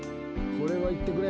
これはいってくれ。